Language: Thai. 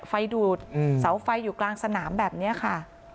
ไฟดูดเสาไฟอยู่กลางสนามแบบนี้ค่ะ